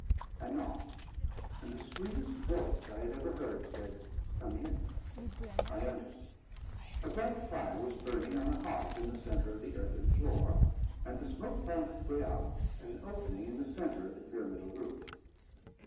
I knocked, and the sweetest voice I had ever heard said, "Come in." I entered. A bright fire was burning on a hearth in the centre of the earthern floor, and the smoke found its way out at an opening in the centre of the pyramidal roof.